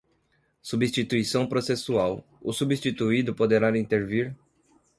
substituição processual, o substituído poderá intervir